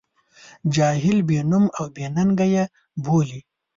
جاهل، بې نوم او بې ننګه یې بولي.